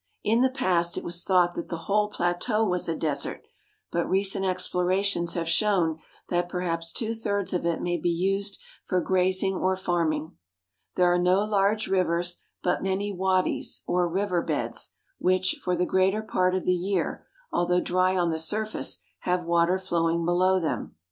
In the past it was thought that the whole plateau was a desert, but recent explorations have shown that perhaps two thirds of it may be used for grazing or farming. There are no large rivers, ^^^^^^^^' but many wadies, or river beds, which, for the greater part of the year, although dry on the surface, have water flow ing below them.